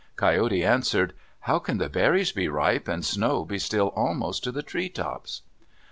Coyote answered, "How can the berries be ripe and snow be still almost to the tree tops?"